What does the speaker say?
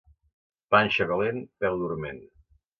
Panxa calent, peu dorment.